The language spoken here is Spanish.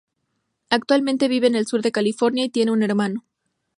Actualmente vive en el sur de California y tiene un hermano.